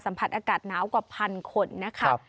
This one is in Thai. สัมผัสอากาศหนาวกว่า๑๐๐๐คนนะคะ